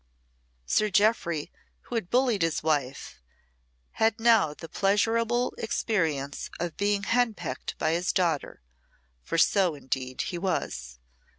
Sir Jeoffry, who had bullied his wife, had now the pleasurable experience of being henpecked by his daughter; for so, indeed, he was.